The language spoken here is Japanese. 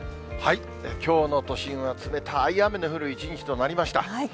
きょうの都心は冷たい雨の降る一日となりました。